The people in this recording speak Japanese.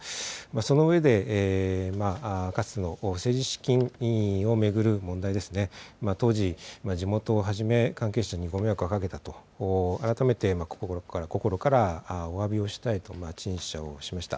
その上で、かつての政治資金を巡る問題ですね、当時、地元をはじめ関係者にご迷惑をかけたと、改めて心からおわびをしたいと陳謝をしました。